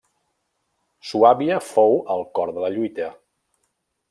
Suàbia fou al cor de la lluita.